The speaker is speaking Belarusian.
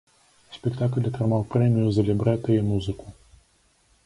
Спектакль атрымаў прэмію за лібрэта і музыку.